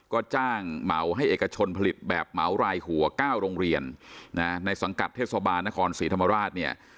ก็จ้างเหมาให้เอกชนผลิตแบบเหมารายหัว๙โรงเรียนในสังกัดเทศบาลนครศรีธรรมราชเนี่ย